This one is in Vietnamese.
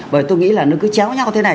bởi tôi nghĩ là nó cứ chéo nhau thế này